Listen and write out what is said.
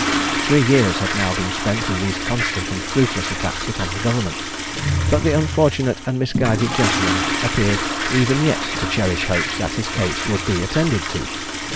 Three years had now been spent in these constant and fruitless attacks upon the government, but the unfortunate and misguided gentleman appeared even yet to cherish hopes that his case would be attended to.